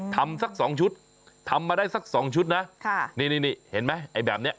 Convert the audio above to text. ทำสัก๒ชุดทำมาได้สัก๒ชุดนะนี่เห็นไหมไอ้แบบนี้